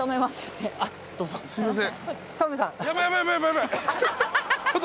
すいません。